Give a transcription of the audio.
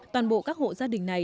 toàn bộ các hộ gia đình này